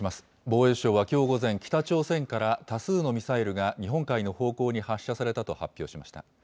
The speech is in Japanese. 防衛省はきょう午前、北朝鮮から多数のミサイルが日本海の方向に発射されたと発表しました。